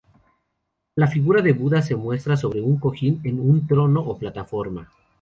La figura de Buda se muestra sobre un cojín en un trono o plataforma.